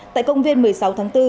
tại công viên một mươi sáu tháng bốn